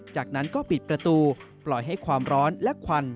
จากนั้นก็ปิดประตูปล่อยให้ความร้อนและควัน